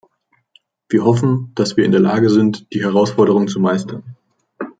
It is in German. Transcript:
Wir hoffen, dass wir in der Lage sind, die Herausforderung zu meistern.